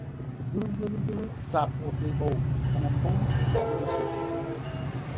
Ghrʉ ghrʉ ghrʉ tsap oʼ kə ghou mboŋ mboŋə mbóŋ məsóʼ.